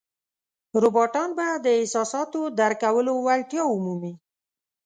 روباټان به د احساساتو درک کولو وړتیا ومومي.